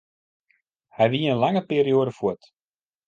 Hy wie in lange perioade fuort.